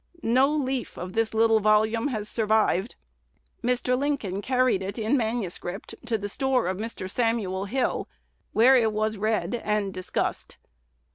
No leaf of this little volume has survived. Mr. Lincoln carried it in manuscript to the store of Mr. Samuel Hill, where it was read and discussed.